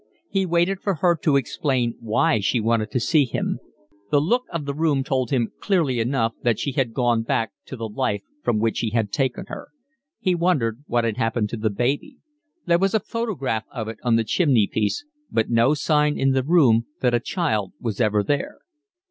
He waited for her to explain why she wanted to see him. The look of the room told him clearly enough that she had gone back to the life from which he had taken her. He wondered what had happened to the baby; there was a photograph of it on the chimney piece, but no sign in the room that a child was ever there.